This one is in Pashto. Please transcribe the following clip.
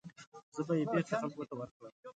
زه به یې بېرته خلکو ته ورکړم.